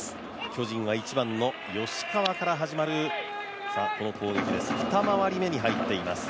巨人は１番の吉川から始まる、この攻撃です。